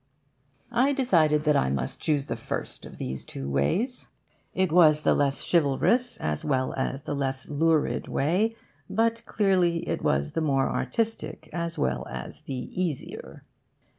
I decided that I must choose the first of these two ways. It was the less chivalrous as well as the less lurid way, but clearly it was the more artistic as well as the easier.